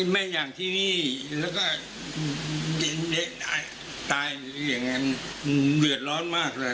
บยศไม่อยากที่นี้และก็ตายเหิงเหง้อนเหลือดร้อนมากเลย